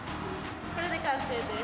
これで完成です。